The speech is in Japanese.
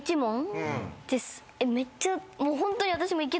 めっちゃ。